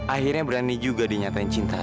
akhirnya berani juga dinyatain cintanya